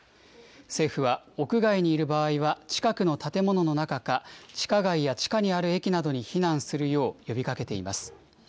政府は屋外にいる場合は、近くの建物の中か、地下街や地下にある駅などに避難するよう呼びかけています。